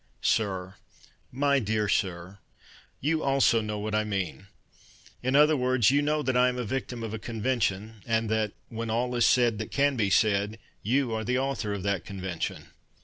Sir, My dear Sir, You also know what I mean; In other words, you know That I am the victim of a convention, And that, when all is said that can be said, You are the author of that convention.